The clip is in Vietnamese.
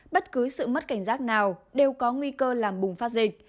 bất cứ sự mất cảnh giác nào đều có nguy cơ làm bùng phát dịch